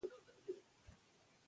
د مور پاملرنه د ناروغۍ مخه نيسي.